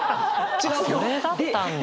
あっそれだったんだ。